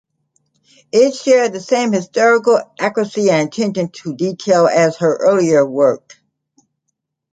It shared the same historical accuracy and attention to detail as her earlier work.